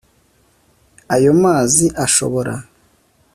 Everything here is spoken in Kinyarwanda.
ayo mazi ashobora